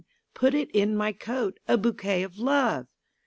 put it in my coat,A bouquet of Love!